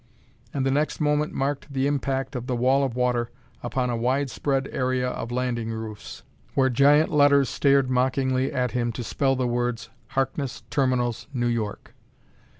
And the next moment marked the impact of the wall of water upon a widespread area of landing roofs, where giant letters stared mockingly at him to spell the words: Harkness Terminals, New York.